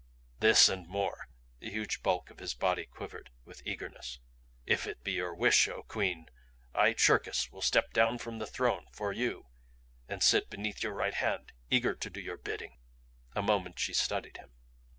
"This and more!" The huge bulk of his body quivered with eagerness. "If it be your wish, O Queen, I, Cherkis, will step down from the throne for you and sit beneath your right hand, eager to do your bidding." A moment she studied him.